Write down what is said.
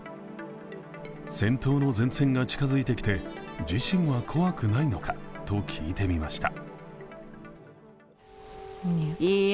戦闘の前線が近づいてきて、自身は怖くないのかと聞いてみました。